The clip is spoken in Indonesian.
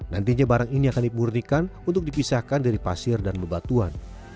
nantinya barang ini akan dimurnikan untuk dipisahkan dari pasir dan bebatuan